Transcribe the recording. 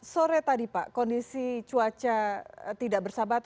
sore tadi pak kondisi cuaca tidak bersahabat